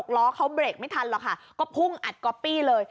ล้อเขาเบรกไม่ทันหรอกค่ะก็พุ่งอัดก๊อปปี้เลย